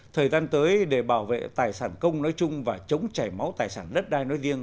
thời gian tới để bảo vệ tài sản công nói chung và chống chảy máu tài sản đất đai nói riêng